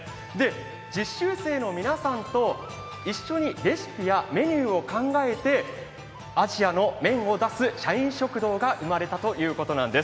実習生の皆さんと一緒にレシピやメニューを考えて、アジアの麺を出す社員食堂が生まれたということなんです。